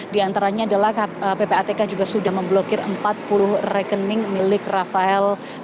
di antaranya adalah ppatk juga sudah memblokir empat puluh rekening milik rafael